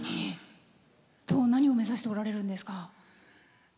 何を目指しておられるんですか？